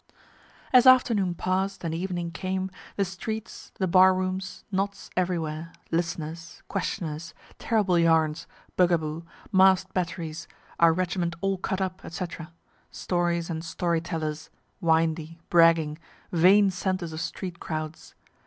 As afternoon pass'd, and evening came, the streets, the bar rooms, knots everywhere, listeners, questioners, terrible yarns, bugaboo, mask'd batteries, our regiment all cut up, &c. stories and story tellers, windy, bragging, vain centres of street crowds.